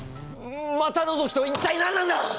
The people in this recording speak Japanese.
股のぞきとは一体何なんだ！？